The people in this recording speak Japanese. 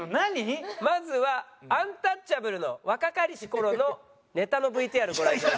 まずはアンタッチャブルの若かりし頃のネタのＶＴＲご覧ください。